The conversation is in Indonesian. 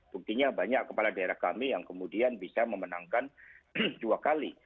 buktinya banyak kepala daerah kami yang kemudian bisa memenangkan dua kali